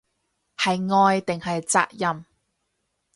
係愛定係責任